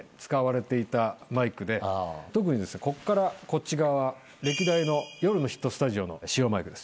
特にこっからこっち側は歴代の『夜のヒットスタジオ』の使用マイクです。